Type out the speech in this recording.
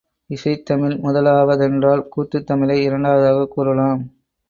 இசைத் தமிழ் முதலாவ தென்றால், கூத்துத் தமிழை இரண்டாவதாகக் கூறலாம்.